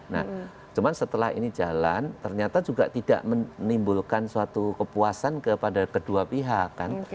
nah cuman setelah ini jalan ternyata juga tidak menimbulkan suatu kepuasan kepada kedua pihak kan